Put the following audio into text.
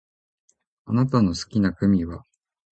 あなたの好きなグミは？